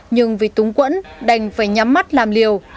nhưng vì túng quẫn đành phải nhắm mắt làm liều